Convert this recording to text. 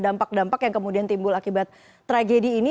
dampak dampak yang kemudian timbul akibat tragedi ini